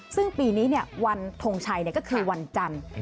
ซึ่งปีนี้วันทงชัยก็คือวันจันทร์